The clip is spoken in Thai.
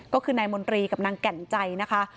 ก็คือนายมนตรีกับนางแก่นใจนะคะ